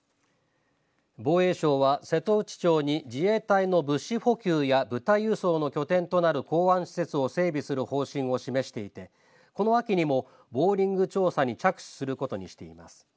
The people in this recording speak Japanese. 防衛省は瀬戸内町に自衛隊の物資補給や部隊輸送の拠点となる港湾施設を整備する方針を示していてこの秋にもボーリング調査に着手することにしています。